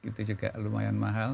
itu juga lumayan mahal